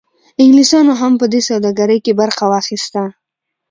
انګلیسانو هم په دې سوداګرۍ کې برخه واخیسته.